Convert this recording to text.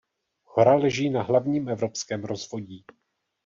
Hora leží na hlavním evropském rozvodí.